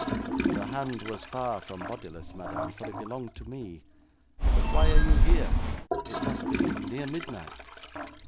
'The hand was far from bodiless, madam, for it belonged to me. But why are you here? It must be near midnight.'